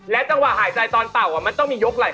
จังหวะหายใจตอนเป่ามันต้องมียกไหล